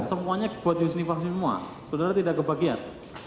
semuanya buat husni fahmi semua saudara tidak kebagian